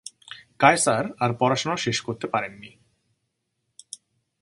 কায়সার আর পড়াশোনা শেষ করতে পারেন নি।